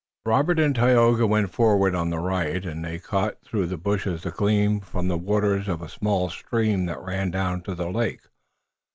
Robert and Tayoga went forward on the right, and they caught through the bushes the gleam from the waters of a small stream that ran down to the lake.